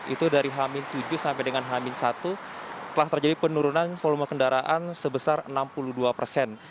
itu dari hamin tujuh sampai dengan h satu telah terjadi penurunan volume kendaraan sebesar enam puluh dua persen